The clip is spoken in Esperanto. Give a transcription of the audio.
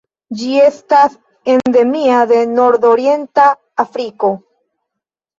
Ĝi estas endemia de nordorienta Afriko.